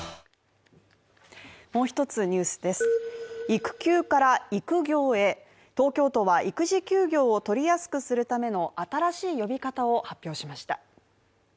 育休から育業へ、東京都は育児休業を取りやすくするための新しい呼び方を発表しました。